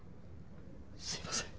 すみません。